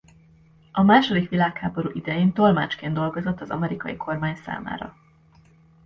A második világháború idején tolmácsként dolgozott az amerikai kormány számára.